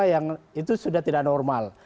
yang itu sudah tidak normal